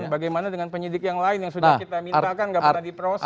bagaimana dengan penyidik yang lain yang sudah kita mintakan enggak pernah diproses